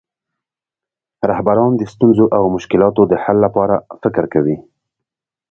رهبران د ستونزو او مشکلاتو د حل لپاره فکر کوي.